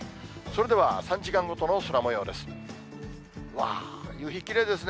それでは、３時間ごとの空もようです。